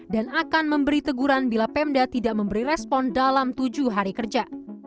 dan akan memberi teguran bila pemda tidak memberi respon dalam tujuh hari kerja